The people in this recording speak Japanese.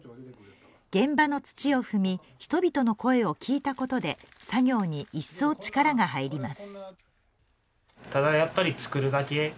現場の土を踏み、人々の声を聞いたことで、作業に一層力が入ります。